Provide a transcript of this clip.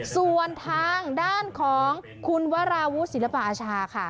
ส่วนทางด้านของคุณวราวุศิลปอาชาค่ะ